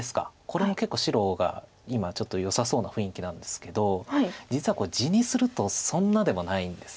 これも結構白が今ちょっとよさそうな雰囲気なんですけど実はこれ地にするとそんなでもないんです。